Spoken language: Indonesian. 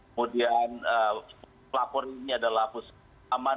kemudian pelapor ini adalah pusat aman